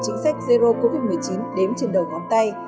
chính sách zero covid một mươi chín đếm trên đầu ngón tay